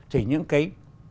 thì những cái